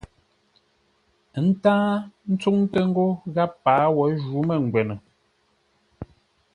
Ə́ ntáa ntsúŋtə́ ńgó gháp páa wǒ jǔ mə́ngwə́nə.